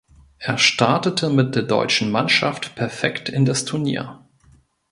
Er startete mit der deutschen Mannschaft perfekt in das Turnier.